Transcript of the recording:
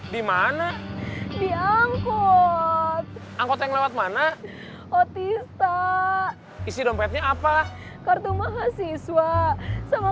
dimana diangkut angkut yang lewat mana otis tak isi dompetnya apa kartu mahasiswa sama